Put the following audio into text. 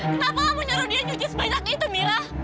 kenapa kamu nyuruh dia nyuci sebanyak itu mira